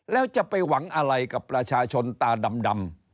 แล้วจะไปหวังอะไรกับประชาชนตาดำ